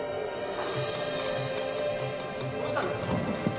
どうしたんですか？